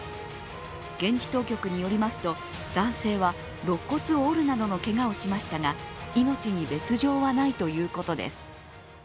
現地当局によりますと、男性はろっ骨を折るなどのけがをしましたが命に別状はないということです。